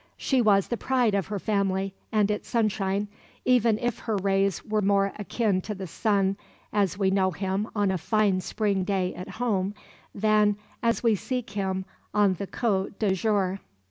She was the pride of her family, and its sunshine, even if her rays were more akin to the sun as we know him on a fine spring day at home than as we seek him on the Côte d'Azur.